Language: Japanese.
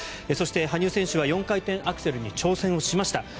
そして、羽生選手は４回転アクセルに挑戦をしました。